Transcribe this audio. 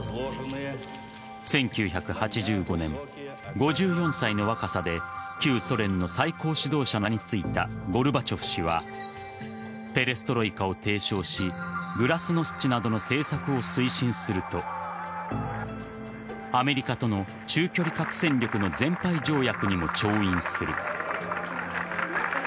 １９８５年、５４歳の若さで旧ソ連の最高指導者の座に就いたゴルバチョフ氏はペレストロイカを提唱しグラスノスチなどの政策を推進するとアメリカとの中距離核戦力の全廃条約にも調印する。